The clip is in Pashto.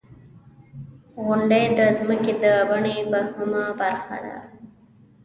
• غونډۍ د ځمکې د بڼې مهمه برخه ده.